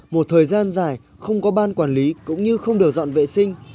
một thời gian dài không có ban quản lý cũng như không được dọn vệ sinh